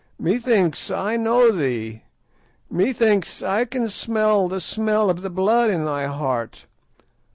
Methinks I know thee; methinks I can smell the smell of the blood in thy heart.